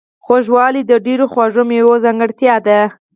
خوږوالی د ډیرو خواږو میوو ځانګړتیا ده.